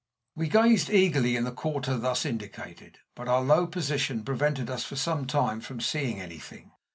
We gazed eagerly in the quarter thus indicated, but our low position prevented us for some time from seeing anything.